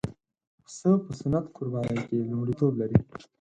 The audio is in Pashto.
پسه په سنت قربانۍ کې لومړیتوب لري.